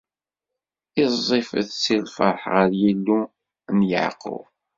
Iẓẓifet si lferḥ ɣer Yillu n Yeɛqub!